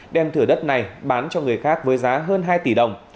đem thửa đất này bán cho người khác với giá hơn hai tỷ đồng